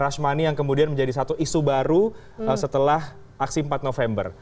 rush money yang kemudian menjadi satu isu baru setelah aksi empat november